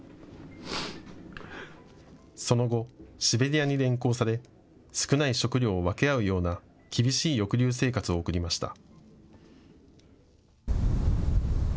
その後、シベリアに連行され少ない食料を分け合うような厳しい抑留生活を送りました。